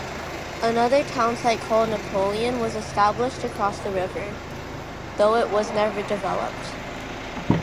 Another townsite called Napoleon was established across the river, though it was never developed.